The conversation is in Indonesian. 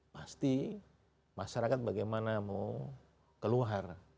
pasti masyarakat bagaimana mau keluar